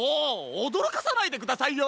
おどろかさないでくださいよ！